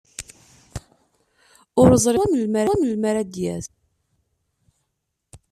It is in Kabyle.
Ur ẓriɣ swaswa melmi ara d-yas.